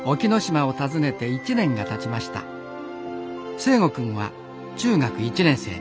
誠心くんは中学１年生に。